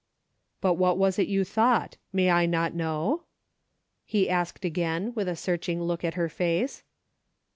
" But what was it you thought ? May I not know ?" he asked again, with a searching look at her face.